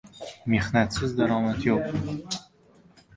• Mehnatsiz daromad yo‘q.